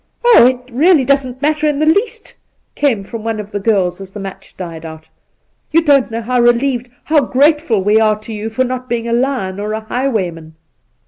' Oh, it really doesn't matter in the least !' came from one of the girls, as the match died out. ' You don't know how relieved, how grateful we are to you for not being a lion or a highwayman.'